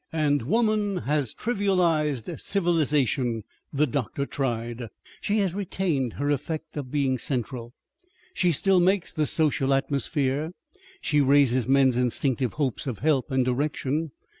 "And woman has trivialized civilization," the doctor tried. "She has retained her effect of being central, she still makes the social atmosphere, she raises men's instinctive hopes of help and direction.